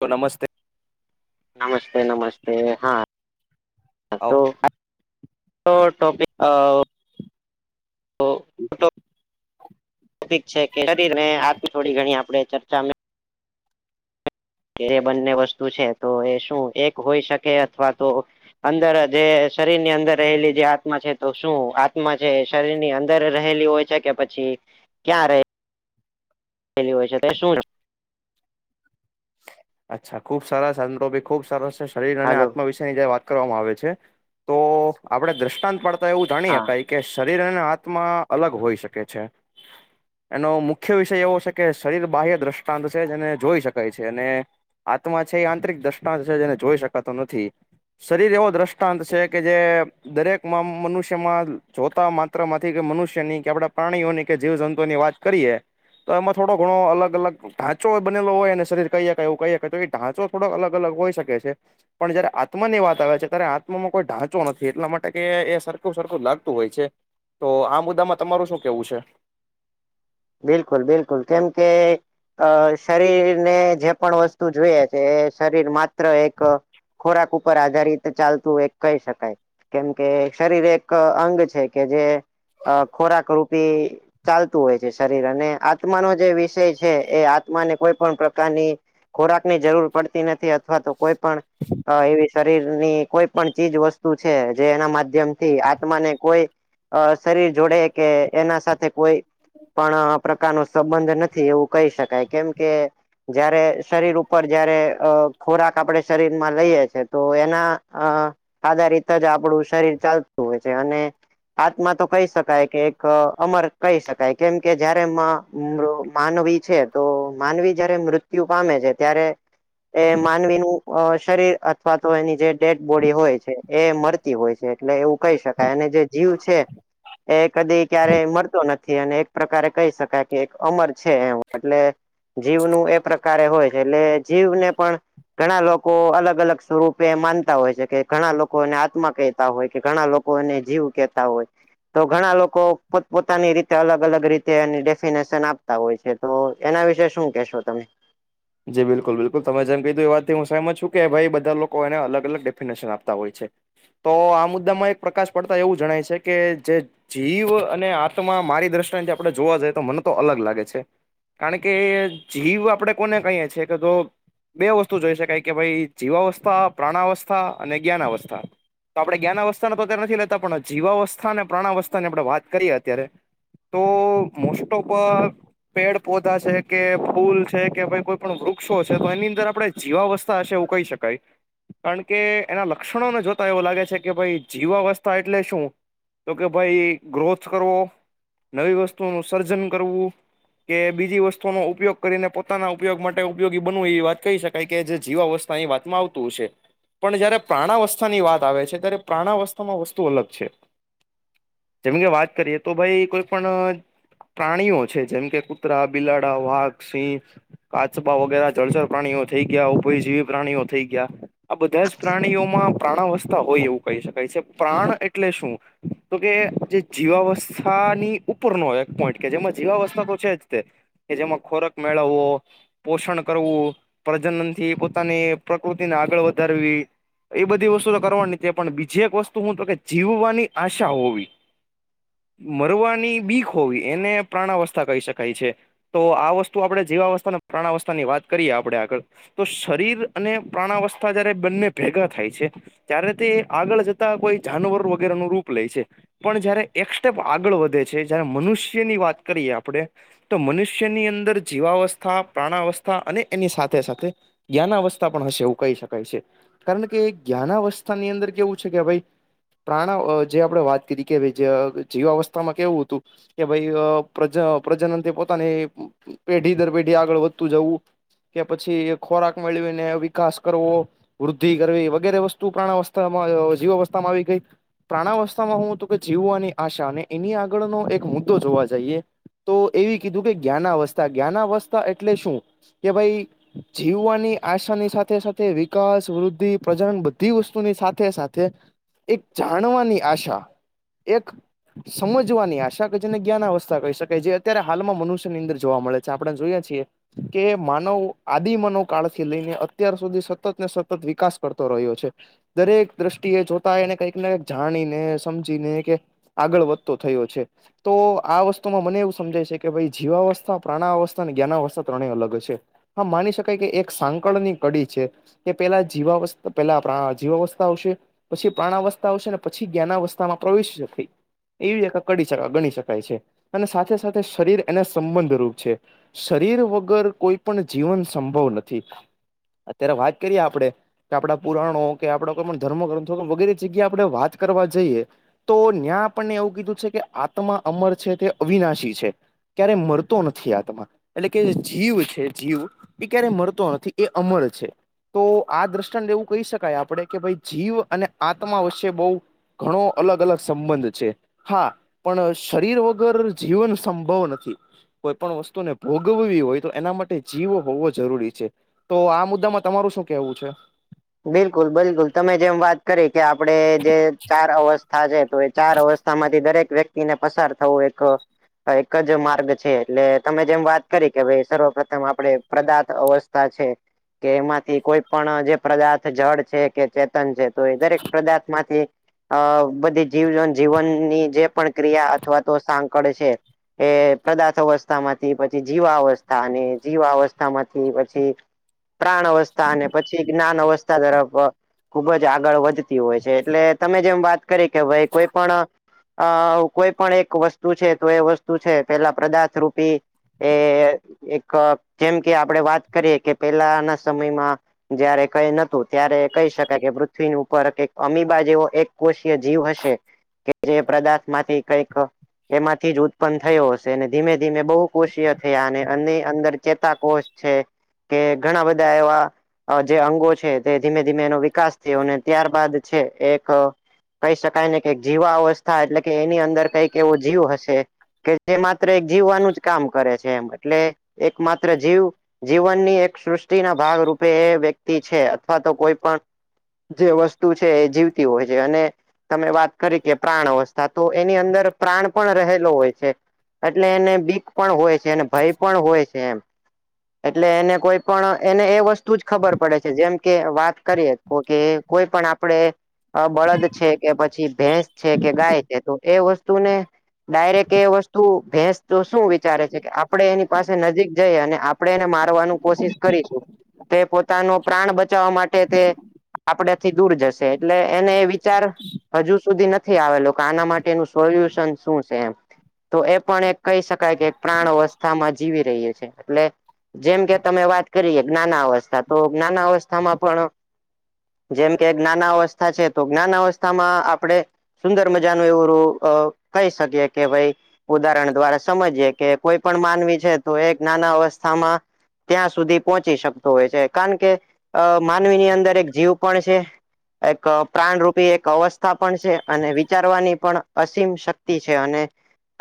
તો નમસ્તે નમસ્તે નમસ્તે હા તો આવો તો ટોપિક અ તો ટોપિક છેં કે [unintelligible] આથી થોડી ઘણી આપે ચર્ચા કે એ બંને વસ્તુ છે તો એ શું એક હોઈ શકે અથવા તો અંદર જે શરીર ની અંદર રહેલી જે આત્મા છે તો શું આત્મા છે શરીર ની અંદર રહેલી હોય. છે કે પછી ક્યારે રહેલી હોય છે તે શું. અચ્છા ખુબ સરસ [unintelligible] ખુબ સરસ શરીર અને હાલો આત્મવિશ્વાસ વાત કરવામાં આવે છે તો આપણે દ્રષ્ટાંત પાડતા એવું હા જાણીયે કંઈક કે શરીર અને આત્મા અલગ હોઈ શકે છે. એનો મુખ્ય વિષય એવો છે કે શરીર બાહ્ય દ્રષ્ટાંત છે જેને જોઈ શકય છે આત્મા છે એ આંતરિક દ્રષ્ટાંત છે જેને જોઈ શકાતો નથી. શરીર એવો દ્રષ્ટાંત છે કે જે દરેકમાં મનુષ્યમાં જોતા માત્રામાંથી કે મનુષ્યની કે આપણા પ્રાણીઓની કે જીવ જંતુઓની વાત કરીએ તો એમાં થોડો ઘણો અલગ અલગ ઢાંચો બનેલો હોય ને. શરીર કહી શકાય એવું કહી શકય તો ઢાંચો થોડોઅલગ અલગ હોઈ શકે છે. પણ જયારે આત્માની વાત આવે છે ત્યારે આત્મામાં કોઈ ઢાંચો નથી એટલા માટે કે એ સરખું સરખું લાગતું હોય છે. તો આ મુદ્દામાં તમારું શું કેવું છે? બિલકુલ બિલકુલ કેમ કે અ શરીરને જે પણ વસ્તુ જોઈએ છે એ શરીર માત્ર એક ખોરાક ઉપર આધાર રીત ચાલતું હોય એક કહી શકાય. કેમ કે શરીર એક અંગ છે કે જે અ ખોરાક રૂપી ચાલતું હોય છે. શરીર અને આત્માનો જે વિષય છે એ આત્માને કોઈ પણ પ્રકારની ખોરાક ની જરૂર પડતી નથી અથવા તો કોઈ પણ એવી શરીર ની કોઈ પણ ચીજ વસ્તુ છે જે એના માધ્યમથી આત્મા ને કોઈ અ શરીર જોડે કે એના સાથે કોઈ કોઈ પણ પ્રકાર નો સંબંધ નથી એવું કહી શકાય કેમ કે. જયારે શરીર ઉપર જયારે ખોરાક આપડે શરીર લઈએ છે તો એના અ આધા રીત જ આપડું શરીર ચાલતું હોય છે અને આત્મા તો કહી શકાય કે એક અમર કહી શકાય. કેમ કે જયારે માનવી છે તો માનવી જયારે મૃત્યુ પામે છે ત્યારે એ માનવીનું અ શરીર અથવા તો એની જે ડેડ બોડી હોય છે. એ મળતી હોય છે એટલે એવું કહી શકાય અને જે જીવ છે. એ કદી ક્યારેય મરતો નથી અને પ્રકારે કહી શકાય કે એક અમર છે એમ એટલે જીવનું એ પ્રકારે હોય છે એટલે જીવને પણ ઘણા લોકો અલગ અલગ સ્વરૂપે માનતા હોય છે કે ઘણા લોકો એને આત્મા કહેતા હોય કે ઘણા લોકો ને જીવ કેતા હોય તો ઘણા લોકો પોત પોતાની રીતે અલગ અલગ અલગ રીતે એની ડેફિનેશન આપતા હોય છે તો એના વિશે શું કેશો તમે જી બિલકુલ બિલકુલ તમ જેમ કધું એ વાત હું સમજ છું કે ભાઈ બધા લોકો એને અલગ અલગ ડેફિનેશન આપતા હોય છે. તો આ મુદ્દામાં એક પ્રકાશ પડતા એવું જણાય છે કે જે જીવ અને આત્મા મારી દ્રષ્ટિને જે આપણે જોવા જઈએ તો મને તો અલગ લાગે છે. કારણ કે જીવ આપડે કોને કહીએ છીએ કે તો બે વસ્તુ જોઈ શકાય કે ભાઈ જીવાવસ્થા પ્રાણવસ્થા અને જ્ઞાન અવસ્થા તો આપણે જ્ઞાન અવસ્થા તો અત્યારે નથી લેતા પણ જીવાવસ્થા અને પ્રાણાવસ્થા ની આપણે વાત કરીએ અત્યારે. તો મોસ્ટ ઓફ પેડ પૌધા છે કે ફૂલ છે કે ભાઈ કોઈ પણ વૃક્ષો છે તો એની અંદર આપણે જીવાવસ્થા હશે એવું કહી શકાય. કારણ કે એના લક્ષણોને જોતા એવું લાગે છે કે ભાઈ જીવાવસ્થા એટલે શું? તો કે ભાઈ ગ્રોથ કરવો. નવી વસ્તુઓ નું સર્જન કરવું કે બીજી વસ્તુનો ઉપયોગ કરીને પોતાના ઉપયોગ માટે ઉપયોગી બનવું એવી વાત કહી શકાય કે જે જીવા અવસ્થા એ વાતમાં આવતું હશે. પણ જય્યારે પ્રાણવસ્થા ની વાત આવે છે ત્યારે પ્રાણવસ્થામાં વસ્તુ અલગ છે. જેમ કે વાત કરીએ તો ભાઈ કોઈ પણ પ્રાણીઓ છે જેમ કે કૂતરા, બિલાડા, વાઘ, સિંહ કાચબા વગેરે જળસર પ્રાણીઓ થઈ ગયા ઉપયં જેવી પ્રાણીઓ થઈ ગયા. આ બધા જ પ્રાણીઓમાં પ્રાણવસ્થા હોય એવું કહી શકાય છે પ્રાણ એટલે શું? તો કે જે જીવાવસ્થાની ઉપર નો એક પોઈન્ટ કે જેમાં જીવાવસ્થા તો છે તે. કે જેમાં ખોરાક મેળવવો. પોષણ કરવું પ્રજનન થી પોતાની પ્રકૃતિને આગળ વધારવી એ બધી વસ્તુ તો કરવાની છે પણ બીજી એક વસ્તુ હું તો કે જીવવાની આશા હોવી. મરવાની બીક હોવી એને પ્રાણવસ્થા કહી શકાય છે. તો આ વસ્તુ આપણે જેવાવસ્થા પ્રાણવસ્થા ની વાત કરીએ આપડે આગળ. તો શરીર અને પ્રાણવસ્થા જયારે બંને ભેગા થાય છે. ત્યારે તે આગળ જતા કોઈ જાનવર વગેરે નું રૂપ લે છે. પણ જયારે એક સેપ આગળ વધે છે જયારે મનુષ્યની વાત કરીએ આપડે તો મનુષ્યની અંદર જીવાવસ્થા પ્રાણવસ્થા અને એની સાથે સાથે જ્ઞાન અવસ્થા પણ હશે એવું કહી શકાય છે. કારણ કે જ્ઞાન અવસ્થા ની અંદર કેવું છે કે ભાઈ પ્રાણા જે આપણે વાત કરી કે જીવા અવસ્થામાં કેવું હતું. કે ભાઈ પ્રજ પ્રજનન પોતાની પેઢી દર પેઢી આગળ વધતું જવું કે પછી ખોરાક મેળવીને વિકાસ કરવો. વૃદ્ધિ કરવી વગેરે વસ્તુ પ્રાણા અવસ્થામાં જીવા અવસ્થામાં આવી ગઈ. પ્રાણ અવસ્થામાં હું તો કે જીવવાની આશા ને એની આગળનો એક મુદ્દો જોવા જઈએ. તો એવી કીધું કે જ્ઞાના અવસ્થા જ્ઞાના અવસ્થા એટલે શું કે ભાઈ જીવવાની આશાની સાથે સાથે વિકાસ, વૃદ્ધિ, પ્રજન બધી વસ્તુની સાથે સાથે એક જાણવાની આશા એક સમજવાની આશા કે જેને જ્ઞાન અવસ્થા કહી શકાય જે અત્યારે હાલમાં મનુષ્ય ની અંદર જોવા મળે છે આપણે જોઈએ છીએ કે માનવ આદિમનો કાળથી લઈને અત્યાર સુધી સતત ને સતત વિકાસ કરતો રહ્યો છે. દરેક દ્રષ્ટિએ જોતા એને કંઈક ને કઈક જાણીને સમજીને કે આગળ વધતો થયો છે. તો આ વસ્તુમાં મને એવું સમજાય છે કે ભાઈ જીવા અવસ્થા પ્રાણા અવસ્થા અને જ્ઞાના અવસ્થા. ત્રણેય અલગ છે, હા માની શકાય કે એક સાંકળની કડી છે. કે પેલા જીવા અવસ્થા પેલા જીવા અવસ્થા આવશે. પછી પ્રાણ અવસ્થા આવશે ને પછી જ્ઞાન અવસ્થામાં પ્રવેશે થઈ. એવી [unintelligible] ગણી શકાય છે અને સાથે સાથે શરીર એને સંબંધ રૂપ છે. શરીર વગર કોઈ પણ જીવન સંભવ નથી અત્યારે વાત કરીએ આપડણે. કે આપણા પુરાણો કે આપડ કોઈ પણ ધર્મ ગ્રંથો વગેરે જગ્યા આપડણે વાત કરવા જઈએ. તો ત્યાં આપણને એવું કીધું છે કે આત્મા અમર છે તે અવિનાશી છે. ક્યારેય મરતો નથી આત્માં એટલે કે જીવ છે જીવ એ ક્યારે મરતો નથી એ અમર છે. તો આ દ્રષ્ટાને એવું કહી શકાય આપડે કે ભાઈ જીવ અને આત્મા વચ્ચે બહુ. ઘણો અલગ અલગ સંબંધ છે. હા પણ શરીર વગર જીવન સંભવ નથી. કોઈ પણણ વસ્તુને ભોગવવી હોય. તો એના માટે જીવો હોવો જરૂરી છે તો આ મુદ્દામાં તમારું શું કેવું છે. બિલકુલ બિલકુલ તમે જેમ વાત કરી કે આપડે જે ચાર અવસ્થા છે. તો એ ચાર અવસ્થા માંથી દરેક વ્યક્તિને પસાર થવું એક. એક જ માર્ગ છે એટલે તમે જેમ વાત કરી કે ભાઈ સર્વપથમ આપડે પદાર્થ અવ. કે એમાંથી કોઈ પણ જે. પદાર્થ જળ છે કે ચેતન છે તો એ દરેક પદાર્થ માંથી. અ બધી જીવ જીવનની જે પણ ક્રિયા અથવા તો સાંકળ છે. એ પદાર્થ અવસ્થા માંથી પછી જીવા અવસ્થા અને જીવા અવસ્થા માંથી પછી. પ્રાણ અવસ્થા અને પછી જ્ઞાન અવસ્થા. તર ખુબ જ આગળ વધતી હોય છે એટલે તમે જેમ વાત. કર કેવાય કોઈ પણ. અ કોઈ પણ એક વસ્તુ છે તો એ વસ્તુ છે પેલા પદાર્થ રૂપી. એ એક જેમ કે આપડે વાત કરીયએ કે પેલાના સમયમાં. જયારે કઈ નતું ત્યારે કહી શકાય કે પૃથ્વીની ઉપર અમીબા જેવો એક કોષીય જીવ હશે. કે જે પદાર્થ માંથી કઈક. એમાંથી જ ઉત્પન્ન થયો હશે અને ધીમે ધીમે બહુ કોષીય થયા અને એ અંદર ચેતા કોષ. છે કે ઘણા બધા એવા. જે અંગો છે તે ધીમે ધીમે એનો વિકાસ થયો અને ત્યારબાદ છે એક. કહી શકાય ને કે જીવા અવસ્થા એટલે કે એની અંદર કઈક એવો જીવ હશે. કે જે માત્ર એક જીવવાનું જ કામ કરે છે એમ એટલે એક માત્ર જીવ. જીવનની એક સૃષ્ટિ ના ભાગરૂૂપે એ વ્યક્તિ છે અથવા તો કોઈ પણ. જે વસ્તુ છે એ જીવતી હોય છે અને. તમે વાત કરી કે પ્રાણ અવસ્થા તો એની અંદર પ્રાણ પણ રહેલો હોય છે. એટલે એને બીક પણ હોય છે અને ભય પણ હોય છે એમ. એટલે એને કોઈ પણ એને એ વસ્તુ. તું જ ખબર પડે છે જેમ કે વાત કરીએ તો કે કોઈ પણ આપડે. બળદ છે કે પછી ભેંસ છે કે ગાય છે તો એ વસ્તુને. ડાયરેક્ટ એ વસ્તુ ભેંસ તો શું વિચારે છે કે આપડે એની પાસે નજીક જઈ અને આપણેને મારવાનું કોશિશ કરીશું તે પોતાનો પ્રાણ બચાવવા માટે તે આપડ થી દૂર જશે એટલે એને એ વિચાર. હજુ સુધી નથી આવેલ કે આના માટેનું સોલ્યુશન શું છે એમ. તો એ પણ એક કહી શકાય કે પ્રાણ અવસ્થામાં જીવી રહહી છે એટલે. જેમ કે તમે વાત કરીએ ના્ના અવસ્થા તો ના્ના અવસ્થામાં પણ. જેમ કે જ્ઞાન અવસ્થા છે તો જ્ઞાન અવસ્થામાં આપડણે. સુંદર મજાનું એવું કહી શકીએ કે ભાઈ. ઉદાહરણ દ્વારા સમજીયે કે કોઈ પણ માનવી છે તો એક નાના અવસ્થામાં. ત્યાં સુધી પહોંચી શકતો હોય છે કારણ કે અ માનવીની અંદર એક જીવ પણ છે. એક પ્રાણરૂૂપી એક અવસ્થા પણ છે અને વિચારવાની પણ અસીમ શક્તિ છે અને.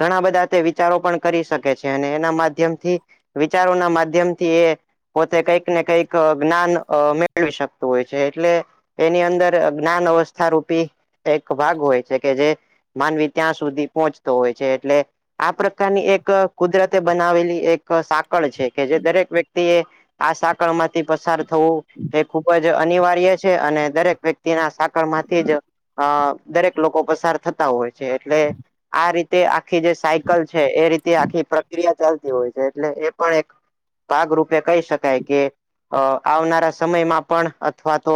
ઘણા બધા તે વિચારો પણ કરી શકે છે અને એના માધ્યમથી. વિચારોના માધ્યમથી એ પોતે કઈક ને કઈક જ્ઞાન મેળવી શકતું હોય છે એટલે એની અંદર જ્ઞાન અવસ્થા રૂપી એક ભાગ હોય છે કે જે માનવી ત્યાં સુધી પહોંચતો હોય છે એટલે આ પ્રકારની એક કુદરતે બનાવેલી એક સાકળ છે કે જે દરેક વ્યક્તિએ આ સાકળમાંથી પસાર થવું એ ખુબ જ અનિવાર્ય છે અને દરેક વ્યક્તિના સાકળમાંથી જ અ દરેક લોકો પસાર થતા હોય છે એટલે આ રીતે આખી જે સાયકલ છે એ રીતે આખી પ્રક્રિયા ચાલતી હોય છે એટલે એ પણ ભાગરૂપે કહી શકાય કે અ આવનારા સમયમાં પણ અથવા તો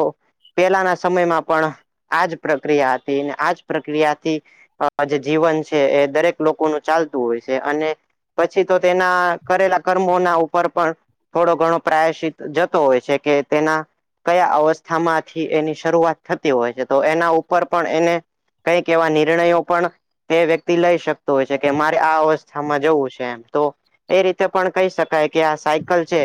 પેલાના સમયમાં પણ આજ પ્રક્રિયા હતી અને આજ પ્રક્રિયાથી અ પછી જીવન છે એ દરેક લોકોનું ચાલતું હોય છે અને પછી તો તેના કરેલા કર્મો ના ઉપર પણ થોડો ઘણો પ્રાયશિત જતો હોય છે કે તેના કયા અવસ્થામાંથી એની શરૂઆત થતી હોય છે તો એના ઉપર પણ એને કઈક એવા નિર્ણયો પણ તે વ્યક્તિ લઈ શકતો હોય છે કે મારે આ અવસ્થામાં જવું છે એમ તો. એ રીતે પણ કહી શકાય કે આ સાયકલ છે.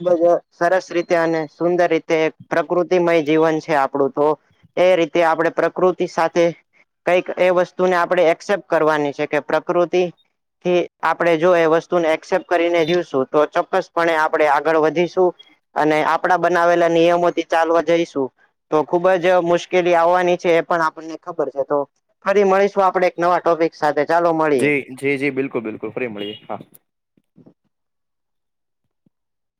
ખૂબ જ સરસ રીતે અને સુંદર રીતે પ્રકૃતિમય જીવન છે આપડું તો. એ રીતે આપણે પ્રકૃતિ સાથે કઈક એ વસ તુણે આપણે એક્સેપ્ટ કરવાની છે કે પ્ર ટ્રોતે આપણે જો એ વસ્તુને એક્સેપ્ટ કરીને જીવશું તો ચોક્કસપણે આપડે આ આગળ વધીશું અને આપડા બનાવેલા નિયમોથી ચાલવા જઈશું. તો ખુબ જ મુશ્કેલી આવવાની છે એ પણ આપણને ખબર છે તો ફરી મળીશું આપણે નવા ટોપિક સાથે ચાલો મળીએ. જી જી જી બિલકુલ બિલકુલ ફરી મળીએ હા.